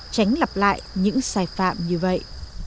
tránh lặp lại những sai phạm như vậy